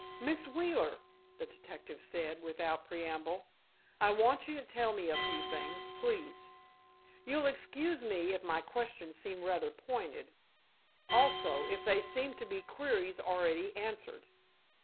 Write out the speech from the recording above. "Miss Wheeler," the detective said, without preamble, "I want you to tell me a few things, please. You'll excuse me if my questions seem rather pointed, also, if they seem to be queries already answered.